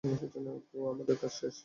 তো আমাদের কাজ শেষ?